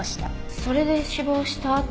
それで死亡した